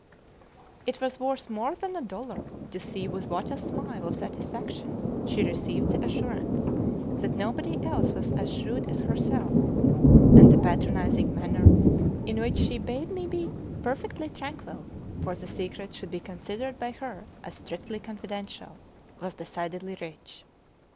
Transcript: It was worth more than a dollar to see with what a smile of satisfaction she received the assurance that nobody else was as shrewd as herself; and the patronizing manner in which she bade me be perfectly tranquil, for the secret should be considered by her as "strictly confidential," was decidedly rich.